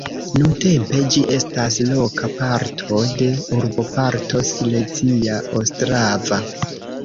Nuntempe ĝi estas loka parto de urboparto Silezia Ostrava.